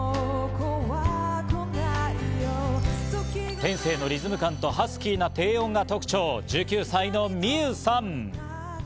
天性のリズム感とハスキーな低音が特徴、１９歳のｍｉｙｏｕさん。